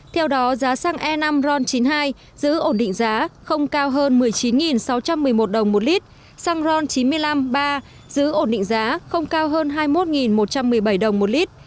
theo đó giá xăng e năm ron chín mươi hai giữ ổn định giá không cao hơn một mươi chín sáu trăm một mươi một đồng một lít xăng ron chín mươi năm ba giữ ổn định giá không cao hơn hai mươi một một trăm một mươi bảy đồng một lít